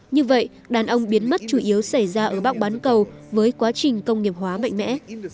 như vậy đàn ông biến mất chủ yếu xảy ra ở bắc bán cầu với quá trình công nghiệp hóa mạnh mẽ